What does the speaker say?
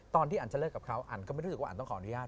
ตอนที่อันจะเลิกกับเขาอันก็ไม่รู้สึกว่าอันต้องขออนุญาต